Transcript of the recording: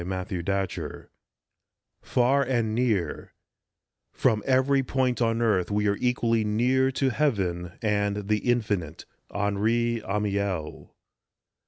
SO FAR AND NEAR FAR AND NEAR " From every point on earth we are equally near to heaven and the infinite." HENRI AMIEL.